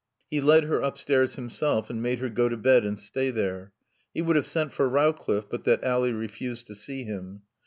He led her upstairs himself and made her go to bed and stay there. He would have sent for Rowcliffe but that Ally refused to see him.